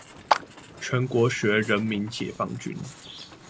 全國學人民解放軍